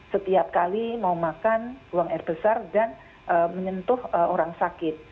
setiap kali mau makan buang air besar dan menyentuh orang sakit